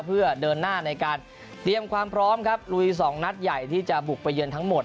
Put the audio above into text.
เพื่อเดินหน้าในการเตรียมความพร้อมครับลุยสองนัดใหญ่ที่จะบุกไปเยือนทั้งหมด